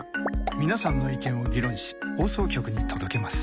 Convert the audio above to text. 皆さんの意見を議論し放送局に届けます。